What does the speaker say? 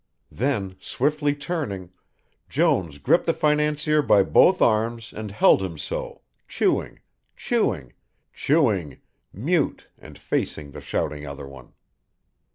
Then, swiftly turning, Jones gripped the financier by both arms and held him so, chewing, chewing, chewing, mute and facing the shouting other one.